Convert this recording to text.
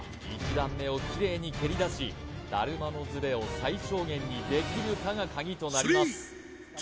１段目をキレイに蹴りだしだるまのズレを最小限にできるかが鍵となります